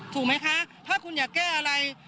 ถูกไหมคะถ้าคุณอยากแก้อะไร